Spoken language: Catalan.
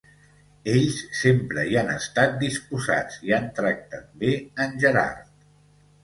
Ells sempre hi han estat disposats i han tractat bé en Gerard.